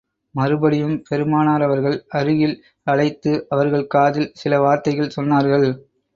மறுபடியும், பெருமானார் அவர்கள், அருகில் அழைத்து அவர்கள் காதில் சில வார்த்தைகள் சொன்னார்கள்.